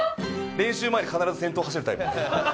練習前に必ず先頭走るタイプ。